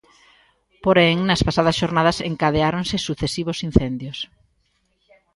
Porén, nas pasadas xornadas encadeáronse sucesivos incendios.